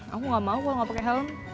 aku gak mau kalo gak pake helm